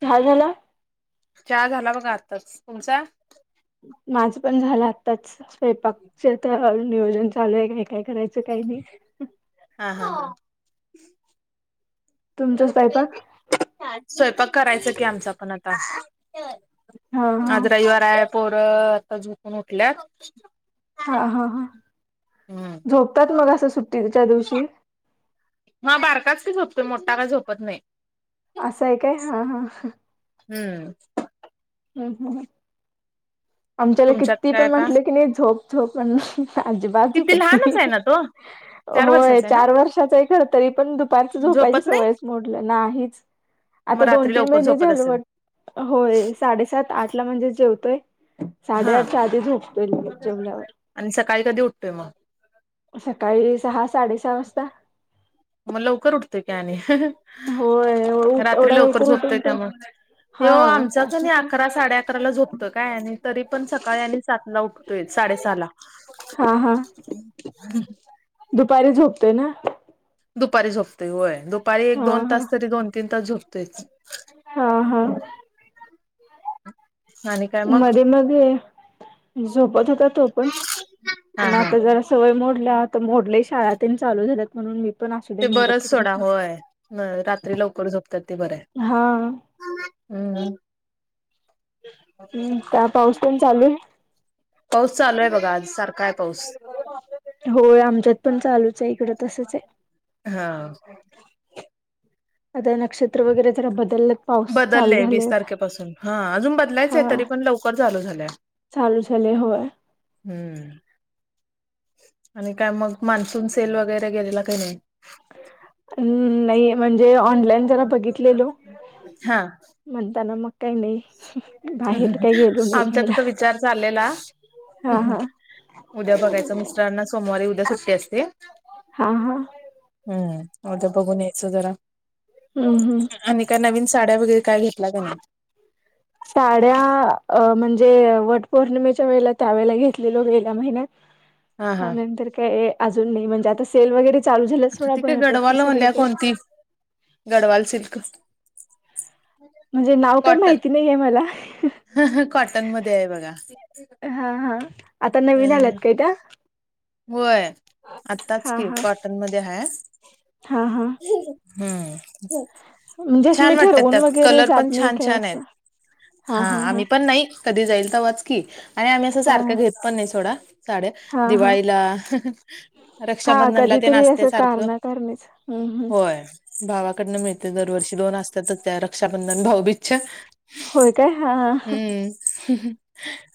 चहा झाला. चहा झाला, बघा आत्ताच तुमचा. माझं पण झालं, आत्ताच स्वयंपाकचे तर नियोजन चालू आहे. काय काय करायचं. असं काही नाही. हा, हा तुमचा स्वयंपाक स्वयंपाक करायच कि, आमचा पण आता हा हा आज रविवार आहे. पोरं आता झोपून उठल्यात. हा, हा, हा, हम्म झोपतात मग असं सुट्टीच्या दिवशी हा बारकाच की झोपतोय, मोठा का झोपत नाही. असं आहे काय. हा हा हम्म [unintelligible] आमच्याला तुमच्यात किती काय पण आता म्हटलं की नाही. झोप, झोप म्हणून अजिबात किती झोपत नाही. लहानच आहे ना तो चार होय वर्षाचा आहे ना चार वर्षाचं आहे. खरं तरी पण दुपारच झोपायची झोपत नाही सवयच मोडल्या नाहीच. मग आता दोन रात्री -तीन लवकर महिने झोपत झाल असेल वाटतं. होय साडेसात आठला म्हणजे जेवतोय. हा साडेआठच्या आधी झोपते. जेवल्यावर, आणि सकाळी कधी उठतोय मग सकाळी सहा साडे सहा वाजता. मग लवकर उठतोय की आणि होय, एवढा लोक उठून पण हा यो आमचाच आणि असंच होय. अकरा साडे अकरा ला झोपतं काय, आणि तरी पण सकाळी आणि सातला उठतो. उठतोयच, साडे सहाला हा हा दुपारी झोपतोय ना, दुपारी झोपतेय होय, दुपारी एक हा -दोन हा तास तरी, दोन- तीन तास झोपतयच. हा हा आणि काय मग मध्ये, मध्ये मग झोपत होता. तो पण, हा पण हा. आता जरा सवय मोडल्या तर मोडल्या शाळा चालू झाल्यात म्हणून मी पण असू दे ते म्हणून बरंच गप्पच सोडा बसले होय, रात्री लवकर झोपतात. ते बरं, हा हम्म हम्म, काय पाऊस तेन चालू आहे. पाऊस चालू आहे. बघा आज सारखा आहे. पाऊस होय, आमच्यात पण चालूच आहे. इकड तसच आहे. हा आता नक्षत्र वगैरे जरा बदललय. बदलय वीस तारखेपासून हा अजून बदलायचं आहे. हा तरी पण लवकर चालू झालय. चालू चाले हय हम्म आणि काय मग मान्सून सेल वगैरे गेलेला काही नाही हम्म नाही म्हणजे ऑनलाईन जरा बघितलेलो हा मणताना म काय नाही ह बाहेर काही गेलो नाही घ्यायला आमच्यातचा विचार चाललेला हा हा उद्या बघायचं मिस्टरांना सोमवारी उद्या सुट्टी असते हा हा हम्म अद बघून यायचं जरा हम्म हम् आणि का नवीन साड्या वगैरे काय घेतल्या का नाही ह साड्या अ म्हणजे वट पौर्णिमेच्या वेळेला त्यावेेळेला घेतले लोक गेल्या महिन्यात हा हा त्यानंतर काय अजून नाही म्हणजे आता सेल वगैरे चाल झाल्या आता थड ती काय बऱ्यापैकी सगळीकडे गढवाल सिल्क म्हणजे नाव काही कॉटन माहिती नाही आहे मला कॉटन मध्ये आहे बघा. हा हा आता नवीन हम्म. आल्यात काय त्या होय आताच हा की हा कॉटन मध्ये आहेा हा हा हम्म म्हणजे असं मी छान वाटतात ठरवून त्यात वगैरे कलर पण जात नाही छान काय छान आहेत असं हा आम्ही पण नाही कधी जाईल तर वाच क आणि आम्ही अस हा सारख घेत पण नाही सोडा साड्या हा हा दिवाळी हा रक्षाबंधनला नती कधीतरी आसतय असं सारखं कारणा कारणीच हम्म हम्म बर. भावाकडनं मिळते दरवर्षी दोन असतातच त्या रक्षाबंधन भाऊबीजच्या. होय काय हा हम्म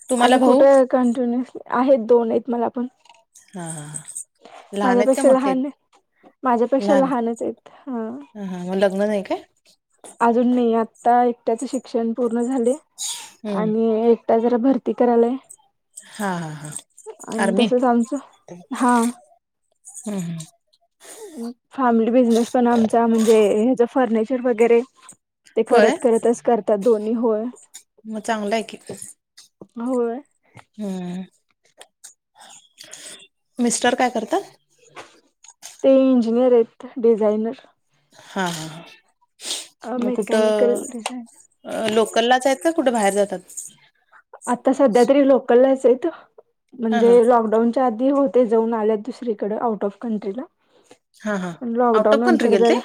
तुम्हाला आणि कुठे भाऊ? कंटिन्यु आहेत दोन आहेत मला पण. हा हा हा. लहान आहेत का माझ्यापेक्षा मोठे आहेत? लहान माझ्यापेक्षा लहानच आहेत. हा ह हां मग लग्न नाही काय? अजून नाही आता एकट्याच शिक्षण पूर्ण झाले हम्म आणि एक तो जरा भरती करालाय. हा हा हा आर्मी तसच आमचं हा हम्म हम्म. फॅमिली बिझनेस पण आमचा म्हणजे हाच फर्निचर वगैरे. ते होय करत करतच करतात दोन्ही होय. मग चांगलं आहे की होय हम्म. मिस्टर काय करतात? ते इंजिनियर आहेत डिझायनर. हा हा हा. मग मेकॅनिकल कुठं डिझाइन. लोकललाच आहेत का कुठे बाहेर जातात? आत्ता सध्या तरी लोकलाचहेत हा म्हणजे हा. लकडाऊनच्या आधी होते जाऊन आल्यात दुसरीकडे आउट ऑफ कंट्रीला. हा हा पण आउट लॉकडाऊन ऑफ कंट्री नंतर गेलते? जर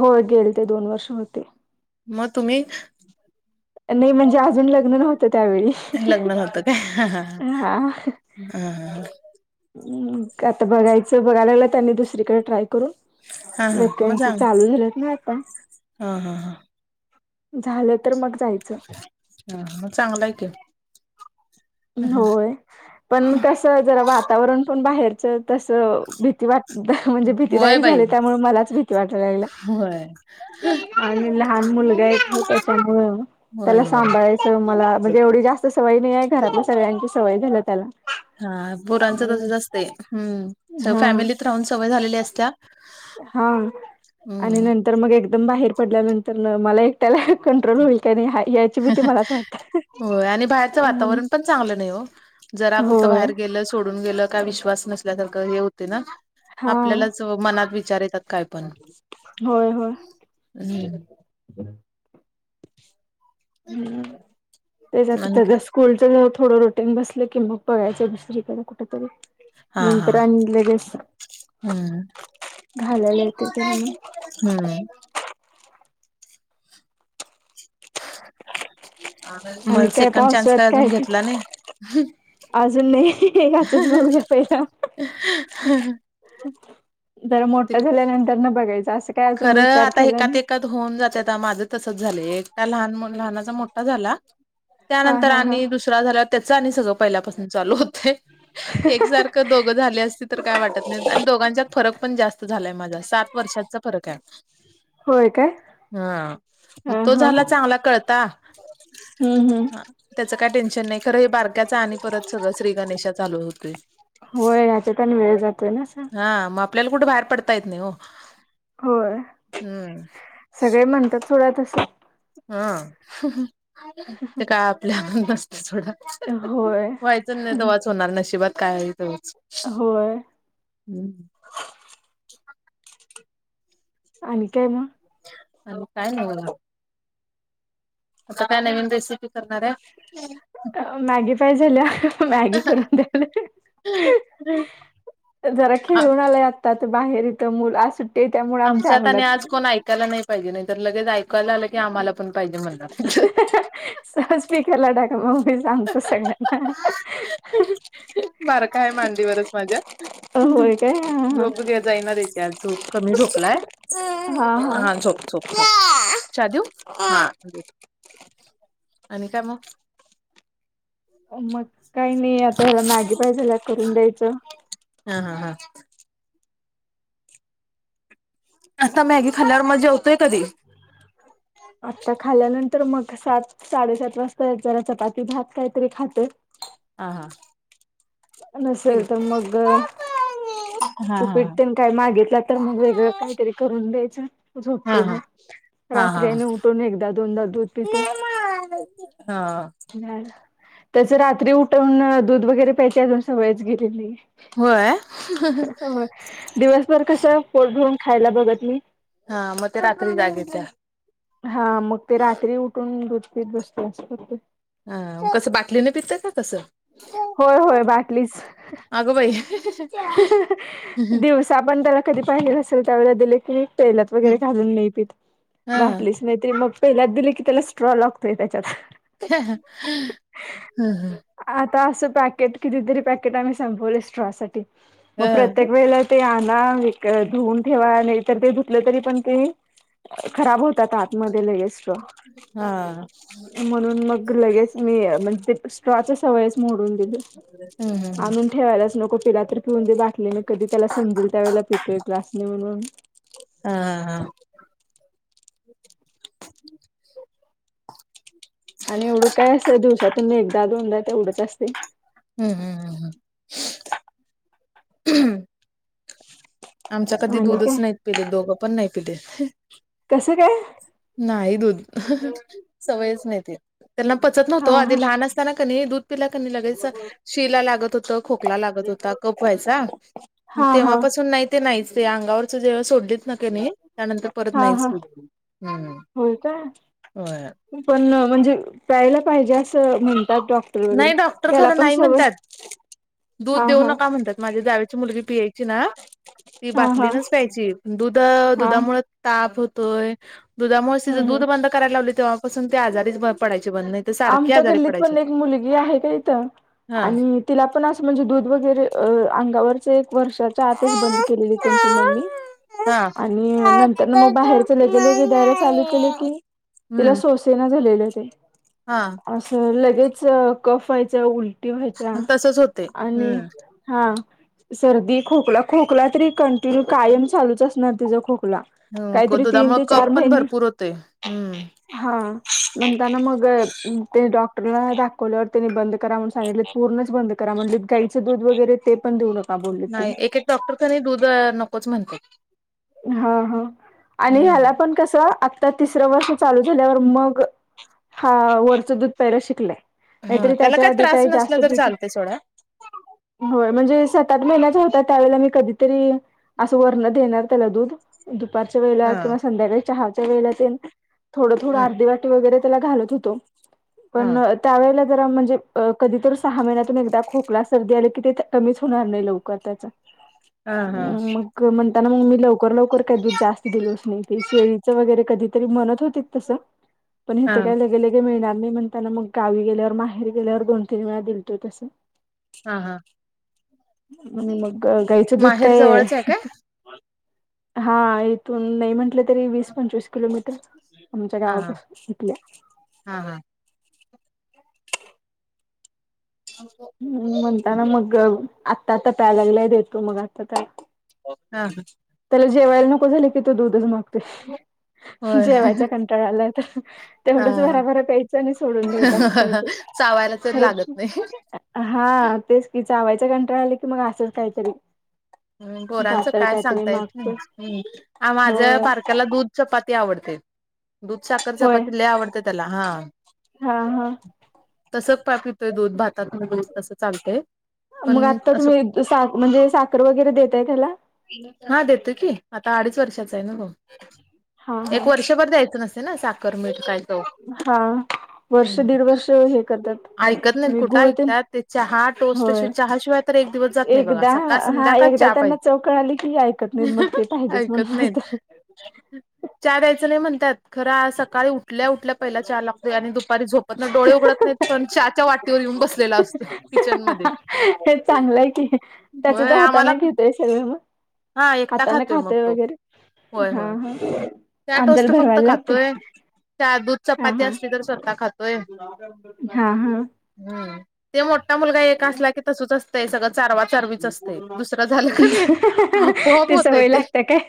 होय गेल ते दोन वर्ष होते. मग तुम्ही? नाही म्हणजे अजून लग्न नव्हतं त्यावेळी. लग्न नव्हता काय ह हा हा हम आता बघायचं बघायला लागलं त्यांनी दुसरीकडे ट्राय करून. हा हा मग वेकन्सी चांग चालू झाल्यात ना आता. हा हा हा. झालं तर मग जायचं. ह म चांगलंय की. हम्म. होय पण कस जरा वातावरण पण बाहेरच तस भीती वाट म्हणजे होय भीतीदायक बाई झाले त्यामुळे मलाच भीती वाटायला लागला. होय आणि लहान मुलगा एक आहे त्याच्यामुळं होय त्याला होय. सांभाळायचं. तर मला म्हणजे एवढी जास्त सवय नाही आहे घरातल्या सगळ्यांची सवय झालं त्याला. हा पोरांचं तसच असते हम्म हा फॅमिलीत राहून सवय झालेली असत्या. हा आणि हम्म नंतर मग एकदम बाहेर पडल्यानंतर मला एक त्याला कंट्रोल होईल का नाही याची भीती मलाच वाटत होय आणि बाहेरचं म्हणून. वातावरण पण चांगलं नाही हो जरा कुठं होय बाहेर गेलं सोडून गेलं. का विशवास नसल्या सारखं हे होते ना हा आपल्यालाच मनात विचार काय पण होय होय. हम्म हम्म ते आणि काय जातस स्कूलच थोडं रुटीन बसलं की मग बघाचं दुसरी कड कुठेतरी. हा हा नंतर आणि लगेच हम्म घालायला यते त्याला म्हणून. हम्म. आणि मग काय सेकंड चान्स काय पावसाळ्यात अजून घेतला नाही? अजून नाही याचच बघूया पहिला. जरा ते मोठ झाल्यानंतर न बघायचं असं काय अजून खरं विचार आता केला एकात नाही. एकात होऊन जाते आता माझं तसच झालं एक लहान लनाचा मोठा झाला. हा त्यानंतर हा हा आणि दुसरा झाल्यावर त्याच आणि सगळं पहिल्यापासून चालू होतय एक सार दोघ झाली असतील तर काय वाटत नाही आणि दोघांच्या फरक पण जास्त झालाय माझा सात वर्षाचा चा फरक आहे. होय काय हा, हा तो हा झाला चांगला कळता. हम्म हम्म हा त्याच काय टेन्शन नाही खरं हे बारग्याच आणि परत सगळं श्री गणेशा चालू होतोय. होय, ह्यातच आणि वेळ जातोय असा. हा मग आपल्याला कुठे बाहेर पडता येत नाही ओ. होय, सगळे म्हणतात सोडा तसं हा, ते काय आपल्यावर नसत सोडा. होय व्हायचं नाही तवाच होणार नशिबात काय आहे तेच होय. हम्म [unintelligible] आणि काय मग? आणि काय नाही बघा. आता काय नवीन रेसिपी करणार आहे? मॅगी पाहिजेल ये मॅगी करून देते. जरा आ- खेळून आलाय आत्ता बाहेर इथ मुलं आज सुट्टी त्यामुळ आमच्या अंगणात त्याला नाही पाहिजे नाहीतर ऐकायला नाही पाहिजे नाही तर लगेच ऐकायला आलं की आम्हाला पण पाहिजे म्हणणार. सहज स्पीकरला टाका मग मी सांगतो सगळ बारक आहे मांडीवरचं माझ्या होय काय हा हा झोप घ्या जाई [inaudible] झोप कमी झोपलाय. हा झोप झोप चहा देऊ? आणि काय मगं? मग काही नाही आता ह्याला मॅगी पाहिजे करून द्यायचं. हा हा हा. आता मॅगी खाल्ल्यावर मगं जेवतोय कधी? आता खाल्यानंतर मग सात- साडेसात वाजता जरा चपाती भात काहीतरी खातोय. हा हा. ठीक नसेल आहे. तर मग हा हा उपीट तेन काय मागितला तर मग वेगळं काहीतरी करून द्यायचं. हा झोपतोय मग हा हा रात्री हा आणि उठून एकदा, दोनदा दूध पितोय. हां हां. त्याची रात्री उठवून दूध वगैरे प्यायचे अजून सवयचं गेलेली नाही. होय! दिवसभर कसं, पोट भरुन खायला बघत नाही. हा. मग ते रात्री जाग येत्या. हा, मग ते रात्री उठून, दुध पित बसतोय. अस करतोय. हा, कसं बाटलीने पितोय का कसं? होय होय बाटलीच अगं बाई! [inaudible] [inaudible] आपण त्याला कधी पाहिजे असेल त्यावेळेला दिले की, पेल्यात वगैरे घालून नाही पित. हा बाटलीचं नाही तरी मगं पेल्यात दिली कि त्याला स्ट्रॉ लागतोय त्याच्यात. अच्छा! आता असं पॅकेट कितीतरी पॅकेट आम्ही संपवले स्ट्रॉचे. मग प्रत्येक वेळेला एक ते आणा एक धुवून ठेवा नाहीतर ते धुतलं तरी पण ते खराब होतात आतमध्ये. हा म्हणून मग लगेच मी स्ट्रॉ ची सवयचं मोडून दिली. ठेवायलाच नको पिडा. तर पिऊन देे बाटले कधी त्याला समजेल त्यावेळेला पितोय ग्लासने म्हणून हा हा आणि एवढं काय असतं दिवसातून एकदा दोनदा तेवढंच असते. हम् हम् हम हम ह आमच्या कधी दूधच नाहीत पिले दोघं पण नाही पिले. कसं काय? नाही दूध सवयच नाही ती त्याला पचत नव्हत हा ओ हा आधी लहान अस त्याला कने दूध पिल कने लगेच शिला लागत होत खोकला लागत होता कफ व्हायचा. मग हा हा तेव्हापासून नाही ते नाहीच ते अंगावरच जेव्हा सोडली. [unintelligible] किने त्यानंतर परत हा हा नाहीच [unintelligible] होय का होय पण अं म्हणजे प्यायला पाहिजे असं म्हणतात डॉक् नाही डॉक्टर खरं नाही म्हणत्यात, दूध हा देऊ हा नका म्हणत्यात माझ्या जावे मुली पियची ना ती हा हा बाटलीनच प्यायची दुध हा दुधामुळे ताप हुतोय. हम्म दुधामुळचं हम्म दूध बंद करायला लावली तेव्हापासून ती आजारीच पडायची बंद नाही. तर सारखे आमच्या आजारी गल्लीत पडायचे पण एक मुलगी आहे का इथं हा आणि तिला पण असं म्हणजे दूध वगैरे अंगावरच एक वर्षात हा तेच बंद केलेली त्यांची मम्मी हा [unintelligible] आणि नंतर ना मग बाहेरच लगे लगे द्यायला चालू केले की, तिला हम्म सोसेना झालेले. हा असं लगेच कफ व्हायचं उलटी व्हायचा तसच होते आणि हम्म हा सर्दी खोकला, खोकला तरी कंटिन्यू कायम चालूच असणार तिचा खोकला काहीतरी तीन दुधामुळे ते चार कप पण महिने, भरपूर होते हम्म हा म्हणताना मग ते डॉक्टरला दाखवल्या वर त्यानी बंद करा म्हणून सांगितले पूर्णच बंद करा म्हणलेत गाईच दूध वगैरे ते पण देऊ न नाही एक एक डॉक्टर कने दूध अं नकोच म्हणत्यात. हा हा आणि ह्याला पण कसं आता तिसरं वर्ष चालू झाल्यावर मग हा वरचं दूध प्यायलं शिकलंय, हा नाहीतरी त्याला त्याच्या काय आधी त्रास काही नसला जास्त तर पीत चालते सोडा होय म्हणजे सात, आठ महिन्याचा होता त्यावेळेला मी कधीतरी असं वरन देणार [unintelligible] दूध दुपारच्या वेळेला हा किंवा संध्याकाळी चहाच्या वेळेला तेन थोडं थोडं ह अर्धी वाटी वगैरे त्याला घालत होतो हा पण त्यावेळेला जरा म्हणजे अं कधीतर सहा महिन्यातून एकदा खोकला सर्दी आली की ते कमीच होणार नाही लवकर त्याचं हा मग म्हणताना मग मी लवकर, लवकर काय दूध जास्त दिलोच नाही ते शेळीचं वगैरे कधी तरी म्हणत होतीत तसं पण हा इथं काय लगे हे मिळणार नाही म्हणताना मग गावी गेल्यावर माहेरी गेल्यावर दोन, तीन वेळा दिलत तसं हा हा. आणि मग गाईचं दूध माहेर काय जवळच आहे काय? हा इथून नाही म्हंटलं तरी वीस, पंचवीस किलोमीटर आमच्या हा हा गावापासून इथल्या हा. हम् म्हणता ना मग अं आत्ता आता प्यायला लागलाय देतो मग आता त्याला हा. त्याला जेवायला नको झालं की तो दूधच मागतोय. होय जेवायचा कंटाळा आलाय आता हा तेवढंच भराभरा प्यायचं आणि सोडून दयायचं असं करतोय चावायला तर लागत नाही हा तेच कि, चावायचा कंटाळा आला की मग असंच काहीतरी हम्म पोरांचं पातळ काय काहीतरी सांगता येत मागतोय नाही, आ हो माझ्या बारक्याला दूध चपाती आवडते. दुध, साखर, होय चपाती लय आवडत्या त्याला हा हा हा तसंच पा पितोय दूध भातातनं दूध तसं चालतंय मग पण आत्ता असं तुम्ही सा म्हणजे साखर वगैरे देताय त्याला हा देतेय की, आता अडीच वर्षाचा आहे ना हा तो हा एक वर्षभर द्यायचं नसत है ना साखर, मीठ काय तो हा वर्ष, हम्म. दीड वर्ष हे करतात ऐकत नाहीत मी कुठं गुळ तेन ऐकतात ते चहा टोस्ट असे होय चहा शिवाय तर एक दिवस जात नाही बघा सकाळ, संध्याकाळ काय चहा त्यांना चव कळाली की ऐकत नाहीत मग पाहिजे ते पाहिजेच म्हणून ऐकत नाहीत बसतात चहा द्यायचा नाही म्हणत्यात खरं सकाळी उठ उ ठल्या उठल्या पहिला चहा लागतोय आणि दुपारी झोपत नाय डोळे उघडत नाहीत पण चहाच्या वाटीवर येऊन बसलेला असतोय. किचन मध्ये चांगलंय की त्याच होय तर आम्हाला हाताने घेतोय सगळ मग हा एकटा हाताने मग खातोय तो वगैरे होय हा होय हा चहा टोस्ट आमच्याला फक्त भरवायला लागते खातोय दूध हा चपाती हा असली तर स्वतः खातोय हा हा हम् ते मोठा मुलगा एक असला की तसच असतंय सगळं चारवा चारवीच असते दुस सरा झाला का नाही आपोआप होतय सवय ते. लागते काय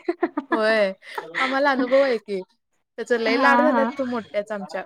होय आम्हाला अनुभव आहे की त्याच लय हा लाड हा झाल्यात तू मोठ्याच आमच्या